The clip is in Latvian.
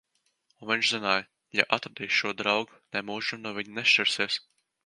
Un viņš zināja: ja atradīs šo draugu, nemūžam no viņa nešķirsies.